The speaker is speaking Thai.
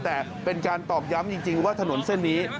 แต่เป็นการตอกย้ำจริงว่าถนนเส้นนี้